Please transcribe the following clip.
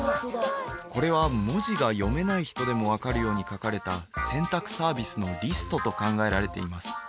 これは文字が読めない人でも分かるように描かれた洗濯サービスのリストと考えられています